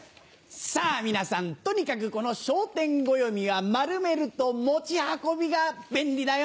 さぁ皆さんとにかくこの「笑点暦」は丸めると持ち運びが便利だよ。